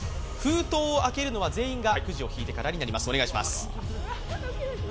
封筒を開けるのは全員がくじを引いてからになります。